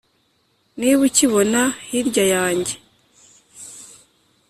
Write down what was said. Niba ukibona hirya yanjye